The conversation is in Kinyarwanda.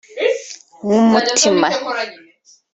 nk’umutima